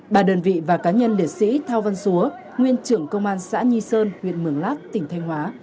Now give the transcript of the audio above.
bà đơn vị và cá nhân liệt sĩ thao văn xúa nguyên trưởng công an xã nhi sơn huyện mường lát tỉnh thanh hóa